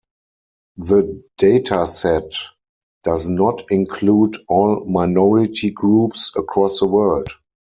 The dataset does not include all minority groups across the world.